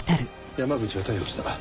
山口は逮捕した。